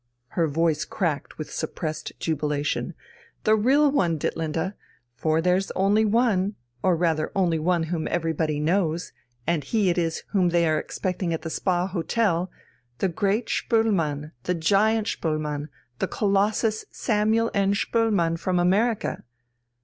Her voice cracked with suppressed jubilation. "The real one, Ditlinde! For there's only one, or rather only one whom everybody knows, and he it is whom they are expecting at the Spa Hotel the great Spoelmann, the giant Spoelmann, the colossus Samuel N. Spoelmann from America!"